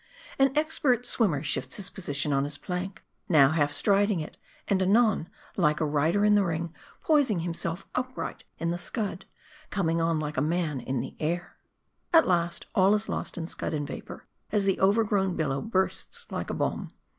An expert swimmer shifts his position on his plank ; now half striding it ; and anon, like a rider in the ring, poising himself upright in the scud, coming on like a man in the air. 316 MARDI. At last all is lost in scud and vapor, as the overgrown billow bursts like a bomb.